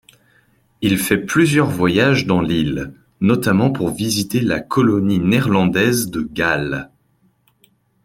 Il fait plusieurs voyages dans l'île, notamment pour visiter la colonie néerlandaise de Galle.